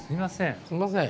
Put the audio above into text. すみません。